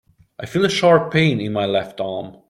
I feel a sharp pain in my left arm.